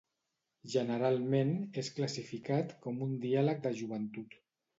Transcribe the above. Generalment és classificat com un diàleg de joventut.